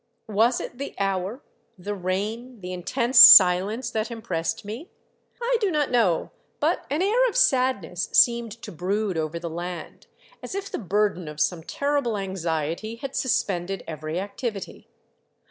Was it the hour, the rain, the intense silence that impressed me? I do not know, but an air of sadness seemed to brood over the land, as if the burden of some terrible anxiety had suspended every activity.